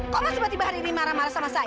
kok mas tiba tiba hari ini marah marah sama saya